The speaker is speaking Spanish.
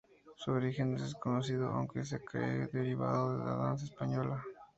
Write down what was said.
Su origen es desconocido, aunque se cree derivado de la danza española.